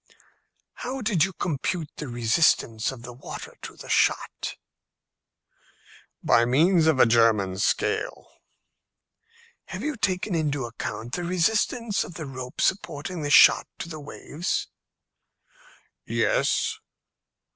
"How did you compute the resistance of the water to the shot?" "By means of a German scale." "Have you taken into account the resistance of the rope supporting the shot to the waves?" "Yes."